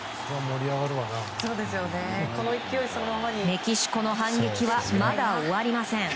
メキシコの反撃はまだ終わりません。